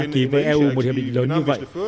ký với eu một hiệp định lớn như vậy